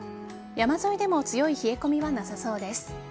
山沿いでも強い冷え込みはなさそうです。